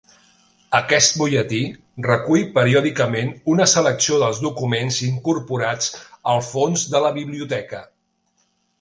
Aquest Butlletí recull periòdicament una selecció dels documents incorporats al fons de la Biblioteca.